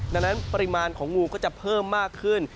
ดังนั้นปริมาณของงูก็จะเพิ่มมากขึ้น